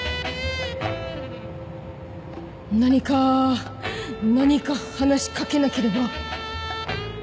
何か何か話し掛けなければ！